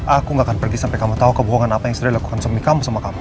aku gak akan pergi sampai kamu tahu kebohongan apa yang sudah dilakukan suami kamu sama kamu